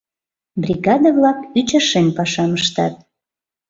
Бригада-влак ӱчашен пашам ыштат.